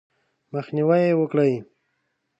مخنیوی یې وکړئ :